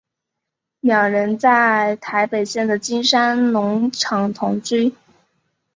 两人在台北县的金山农场同居。